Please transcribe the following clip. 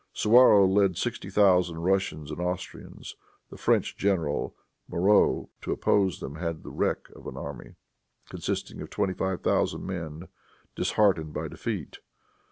Suwarrow led sixty thousand Russians and Austrians. The French general, Moreau, to oppose them, had the wreck of an army, consisting of twenty five thousand men, disheartened by defeat.